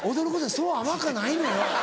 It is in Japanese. そう甘かないのよ？